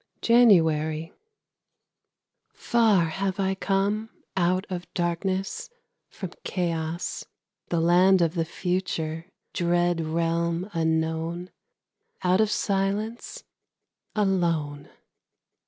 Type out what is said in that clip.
JANUARY. Far have I come, out of darkness, from chaos, The land of the future, dread realm unknown, Out of silence, alone.